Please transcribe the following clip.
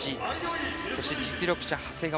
そして、実力者、長谷川。